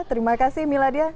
terima kasih miladia